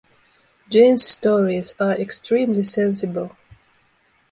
Jane’s stories are extremely sensible.